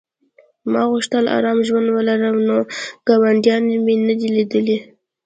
ما غوښتل ارام ژوند ولرم نو ګاونډیان مې نه دي لیدلي